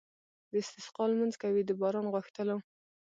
د استسقا لمونځ کوي د باران غوښتلو.